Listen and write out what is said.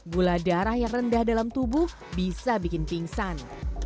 gula darah yang rendah dalam tubuh bisa bikin pingsan